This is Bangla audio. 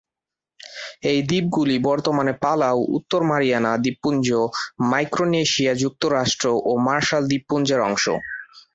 এই দ্বীপগুলি বর্তমানে পালাউ, উত্তর মারিয়ানা দ্বীপপুঞ্জ, মাইক্রোনেশিয়া যুক্তরাষ্ট্র ও মার্শাল দ্বীপপুঞ্জের অংশ।